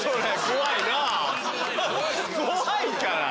怖いから！